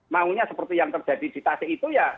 maunya seperti yang terjadi di tasi itu